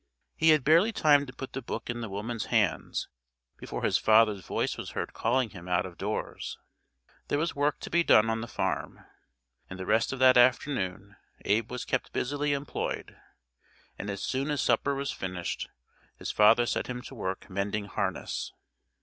He had barely time to put the book in the woman's hands before his father's voice was heard calling him out of doors. There was work to be done on the farm, and the rest of that afternoon Abe was kept busily employed, and as soon as supper was finished his father set him to work mending harness.